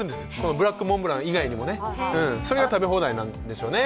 ブラックモンブラン以外にもね、それが食べ放題なんでしょうね。